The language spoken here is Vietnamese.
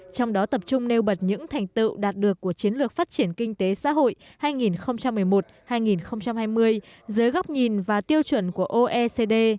trong đó tập trung nêu bật những thành tựu đạt được của chiến lược phát triển kinh tế xã hội hai nghìn một mươi một hai nghìn hai mươi dưới góc nhìn và tiêu chuẩn của oecd